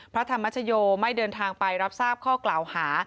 พระธรรมชโยไม่เดินทางไปรับทราบข้อกล่าวหา